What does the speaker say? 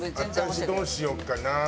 私どうしようかな。